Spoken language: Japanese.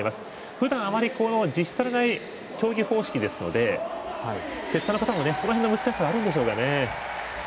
ふだん、あまり実施されない競技方式ですのでセッターの方も、その辺の難しさはあるんでしょうかね。